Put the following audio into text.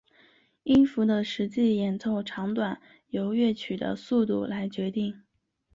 音符的实际演奏长短由乐曲的速度来决定。